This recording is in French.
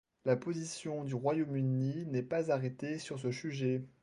La position du Royaume-Uni n'est pas arrêtée sur ce sujet.